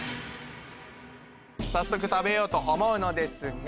早速食べようと思うのですが！